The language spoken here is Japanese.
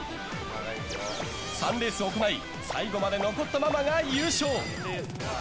３レース行い最後まで残ったママが優勝！